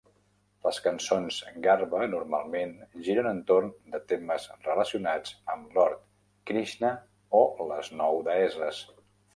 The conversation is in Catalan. Les cançons Garba normalment giren entorn de temes relacionats amb Lord Krishna o les nou deesses.